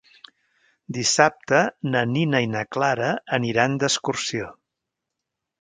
Dissabte na Nina i na Clara aniran d'excursió.